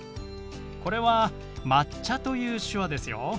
これは「抹茶」という手話ですよ。